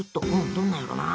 どんなやろな？